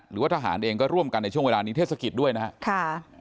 หรือว่าทหารเองก็ร่วมกันในช่วงเวลานี้เทศกิจด้วยนะครับ